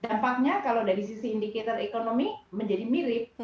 dampaknya kalau dari sisi indicator ekonomi menjadi mirip